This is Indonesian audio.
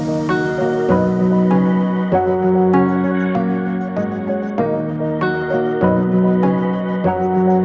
aku haus selalu kurang